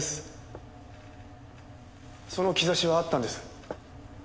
その兆しはあったんです。